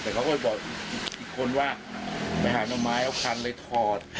เธอบอกอีกคนว่าไปหาหน้าไม้เอาพันเลยถอด